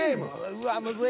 うわむずい。